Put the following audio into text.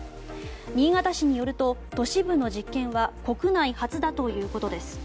新潟市によると都市部の実験は国内初だということです。